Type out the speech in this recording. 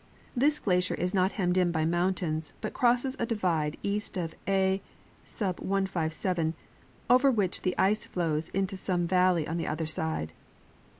This glacier is not hemmed in by mountains but crosses a divide east of a,3, over which the ice flows into some valley on the other side.